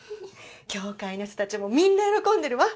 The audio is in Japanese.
教会の人たちもみんな喜んでるわ。